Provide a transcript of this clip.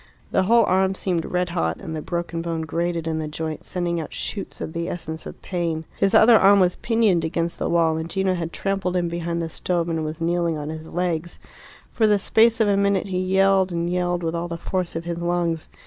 The whole arm seemed red hot, and the broken bone grated in the joint, sending out shoots of the essence of pain. His other arm was pinioned against the wall, and Gino had trampled in behind the stove and was kneeling on his legs. For the space of a minute he yelled and yelled with all the force of his lungs.